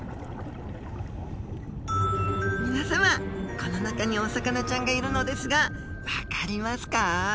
皆様この中にお魚ちゃんがいるのですが分かりますか？